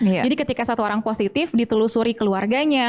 jadi ketika satu orang positif ditelusuri keluarganya